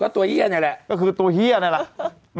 ตัวเฮียนี่แหละก็คือตัวเฮียนั่นแหละ